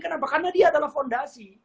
kenapa karena dia adalah fondasi